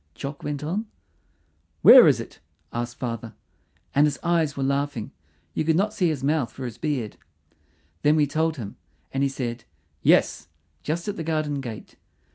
Jock went on. "Where is it?" asked father, and his eyes were laughing; you could not see his mouth for his beard. Then we told him, and he said "Yes," just at the garden gate.